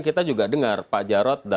kita juga dengar pak jarod